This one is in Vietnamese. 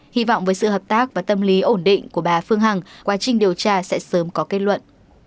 hy vọng với sự hợp tác và tâm lý ổn định của bà phương hằng quá trình điều tra sẽ sớm có kết luận